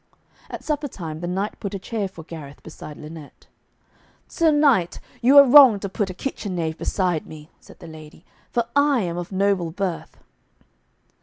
At supper time, the knight put a chair for Gareth beside Lynette. 'Sir Knight, you are wrong to put a kitchen knave beside me,' said the lady, 'for I am of noble birth.'